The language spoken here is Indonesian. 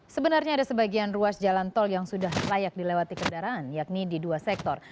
sebenarnya ada sebagian ruas jalan tol yang sudah layak dilewati kendaraan yakni di dua sektor